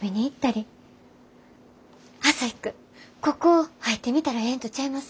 朝陽君ここ入ってみたらええんとちゃいます？